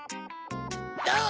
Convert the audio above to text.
どう？